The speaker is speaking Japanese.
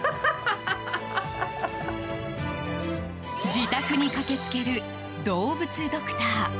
自宅に駆けつける動物ドクター。